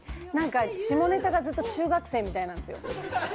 下ネタがずっと中学生みたいなんですよ。